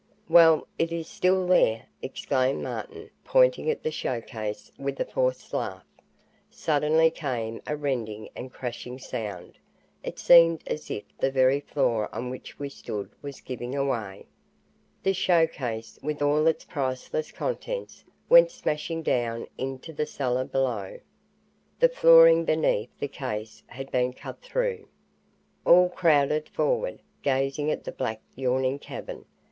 "Well, it is still there!" exclaimed Martin, pointing at the show case, with a forced laugh. Suddenly came a rending and crashing sound. It seemed as if the very floor on which we stood was giving way. The show case, with all its priceless contents, went smashing down into the cellar below. The flooring beneath the case had been cut through! All crowded forward, gazing at the black yawning cavern.